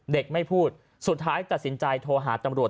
ไม่พูดสุดท้ายตัดสินใจโทรหาตำรวจ